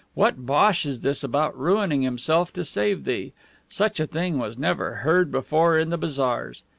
What bosh is this about ruining himself to save thee? Such a thing was never heard before in the bazaars.